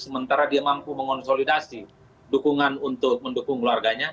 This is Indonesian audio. sementara dia mampu mengonsolidasi dukungan untuk mendukung keluarganya